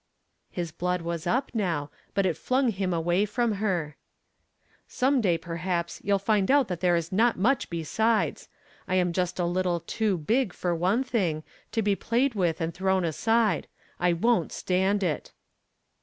His blood was up now, but it flung him away from her. "Some day, perhaps, you'll find out that there is not much besides. I am just a little too big, for one thing, to be played with and thrown aside. I won't stand it."